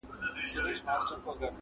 • چي غزل مي د پرهر ژبه ویله..